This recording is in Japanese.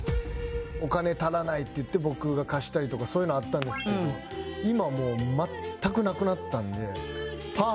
お金足らないっていって僕が貸したりとかそういうのがあったんですけども今はもう全くなくなったんで。